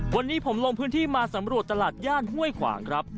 วันนี้ผมลงพื้นที่มาสำรวจตลาดย่านห้วยขวางครับ